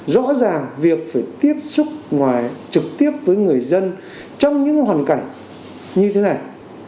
rõ ràng việc phải tiếp xúc trực tiếp với người dân trong những hoàn cảnh như thế này